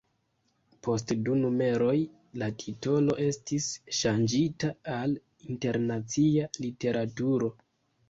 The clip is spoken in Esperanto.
Post du numeroj la titolo estis ŝanĝita al Internacia Literaturo.